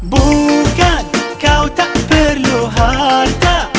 bukan kau tak perlu harta